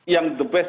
yang the best